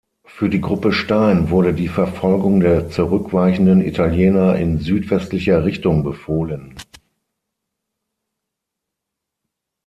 Für die Gruppe Stein wurde die Verfolgung der zurückweichenden Italiener in südwestlicher Richtung befohlen.